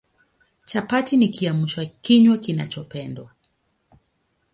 Chapati ni Kiamsha kinywa kinachopendwa